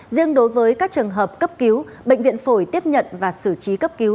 riêng đối với các trường hợp cấp cứu bệnh viện phổi tiếp nhận và xử trí cấp cứu